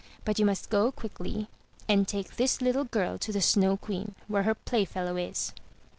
But you must go quickly, and take this little girl to the Snow Queen, where her playfellow is.